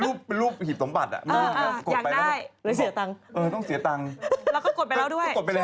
ระหว่างที่กำลังจะวิ่งกำลังจะโปรเกมอนไปด้วย